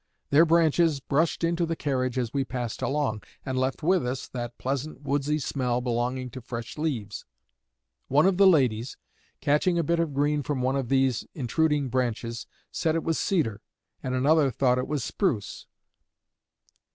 Their branches brushed into the carriage as we passed along, and left with us that pleasant woodsy smell belonging to fresh leaves. One of the ladies, catching a bit of green from one of these intruding branches, said it was cedar, and another thought it spruce.